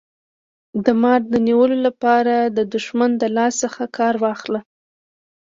د مار د نیولو لپاره د دښمن د لاس څخه کار واخله.